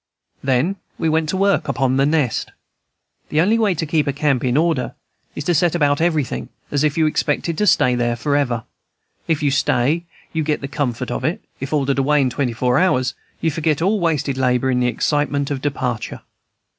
Then we went to work upon the nest. The only way to keep a camp in order is to set about everything as if you expected to stay there forever; if you stay, you get the comfort of it; if ordered away in twenty four hours, you forget all wasted labor in the excitement of departure.